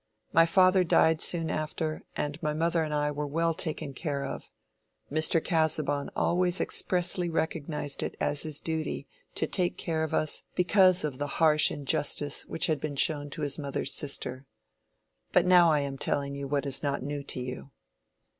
My father died soon after, and my mother and I were well taken care of. Mr. Casaubon always expressly recognized it as his duty to take care of us because of the harsh injustice which had been shown to his mother's sister. But now I am telling you what is not new to you."